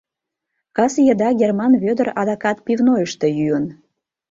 Кас еда Герман Вӧдыр адакат пивнойышто йӱын.